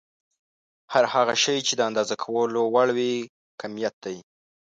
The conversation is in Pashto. هر هغه شی چې د اندازه کولو وړ وي کميت دی.